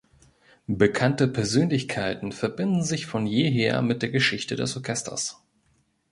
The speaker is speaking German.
Bekannte Persönlichkeiten verbinden sich von jeher mit der Geschichte des Orchesters.